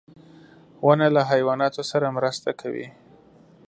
• ونه له حیواناتو سره مرسته کوي.